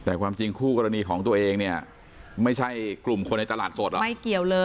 แต่ความจริงคู่กรณีของตัวเองไม่ใช่กลุ่มคนในตลาดสดหรือ